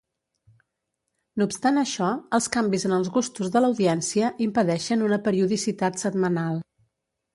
No obstant això, els canvis en els gustos de l'audiència impedeixen una periodicitat setmanal.